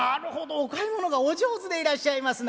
お買い物がお上手でいらっしゃいますな。